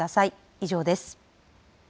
以上です。